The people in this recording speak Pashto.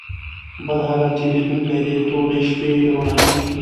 بد حالت تېرېدونکى دئ؛ توري شپې رؤڼا کېږي.